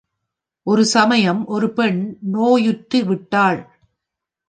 ஒரு சமயம், ஒரு பெண் நோயுற்று விட்டாள்.